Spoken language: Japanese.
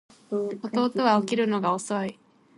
弟は起きるのが遅い